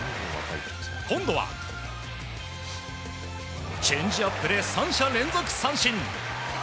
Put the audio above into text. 今度は、チェンジアップで３者連続三振。